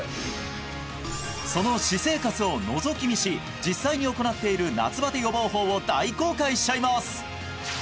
その私生活をのぞき見し実際に行っている夏バテ予防法を大公開しちゃいます！